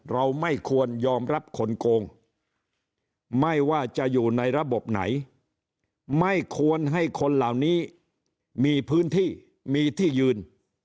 เราไม่ควรยอมรับคนโกงไม่ว่าจะอยู่ในระบบไหนไม่ควรให้คนเหล่านี้มีพื้นที่มีที่ยืน